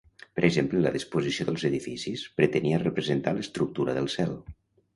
Per exemple la disposició dels edificis pretenia representar l'estructura del cel.